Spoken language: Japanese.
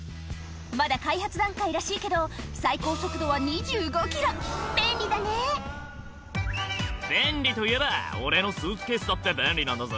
まだ開発段階らしいけど最高速度は２５キロ便利だね「便利といえば俺のスーツケースだって便利なんだぜ」